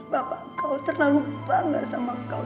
bapak kau terlalu bangga sama kau